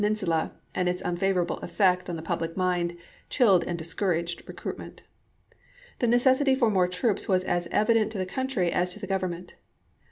insula, and its unfavorable effect on the public mind, chilled and discouraged recruitment. The necessity for more troops was as evident to the country as to the Government.